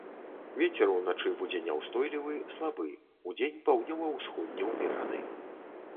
Вецер уначы будзе няўстойлівы слабы, удзень паўднёва-ўсходні ўмераны.